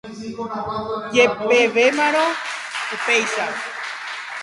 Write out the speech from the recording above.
Jepevéramo upéicha.